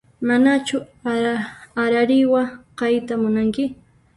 Manachu arariwa kayta munanki?